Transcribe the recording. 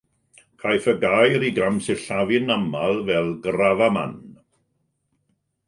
Caiff y gair ei gamsillafu'n aml fel "gravaman".